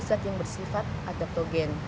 zat yang bersifat adaptogen